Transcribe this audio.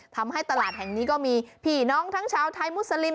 ทำให้ตลาดแห่งนี้ก็มีพี่น้องทั้งชาวไทยมุสลิม